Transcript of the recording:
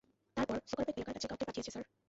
তারপর সোকারপেট এলাকার কাছে কাউকে পাঠিয়েছে, স্যার।